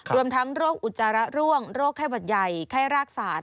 รวมทั้งโรคอุจจาระร่วงโรคไข้หวัดใหญ่ไข้รากศาสต